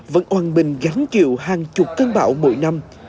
vẫn oàn bình gánh chịu hàng chục cơn bão mỗi năm